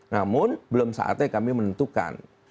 namun belum saatnya kami menentukan